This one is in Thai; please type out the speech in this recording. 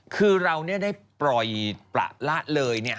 คือเรานี่ได้ปล่อยปละละเลยเนี่ย